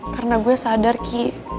karena gue sadar ki